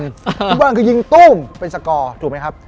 ฟุตบอลคือยิงตู้มเป็นสกอร์ถูกไหมครับ